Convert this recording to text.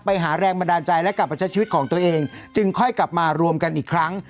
ไปหาแรงบันดาลใจและกลับมาใช้ชีวิตของตัวเองจึงค่อยกลับมารวมกันอีกครั้ง